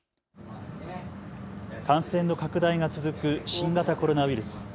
感染の拡大が続く新型コロナウイルス。